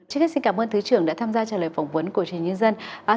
trước hết xin cảm ơn thứ trưởng đã tham gia trả lời phỏng vấn của truyền nhân dân